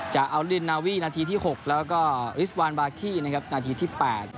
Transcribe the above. จากอัลดินนาวีนาทีที่๖แล้วก็วิสวานบาร์คี่นาทีที่๘